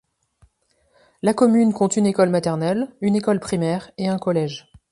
La commune compte une école maternelle, une école primaire et un collège.